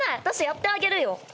私やってあげるよ。